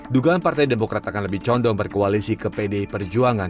dugaan partai demokrat akan lebih condong berkoalisi ke pdi perjuangan